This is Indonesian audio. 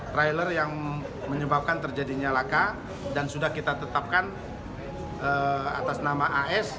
trailer yang menyebabkan terjadinya laka dan sudah kita tetapkan atas nama as